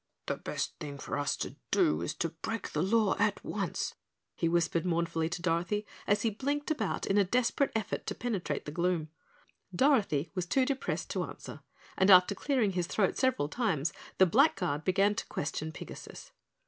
"The best thing for us to do is to break the law at once," he whispered mournfully to Dorothy as he blinked about in a desperate effort to penetrate the gloom. Dorothy was too depressed to answer, and after clearing his throat several times the Blackguard began to question Pigasus.